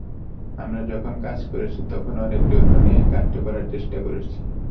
আমরা যখন কাজ করেছি, তখন অনেক যত্ন নিয়েই কাজটি করার চেষ্টা করেছি।